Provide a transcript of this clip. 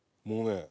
もうね。